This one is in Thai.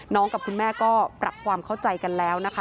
กับคุณแม่ก็ปรับความเข้าใจกันแล้วนะคะ